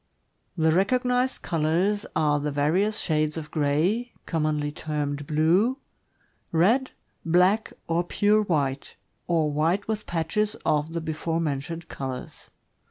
— The recognized colors are the various shades of gray (commonly termed "blue"), red, black, or pure white, or white with patches of the before mentioned colors.